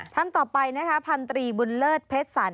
ท่านต่อไปนะคะพันตรีบุญเลิศเพชรสรร